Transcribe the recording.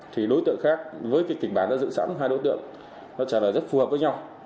thì đối tượng khác với cái kịch bản đã dựng sẵn hai đối tượng nó trả lời rất phù hợp với nhau